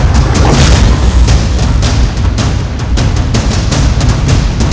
jangan lupa subscribe channel ini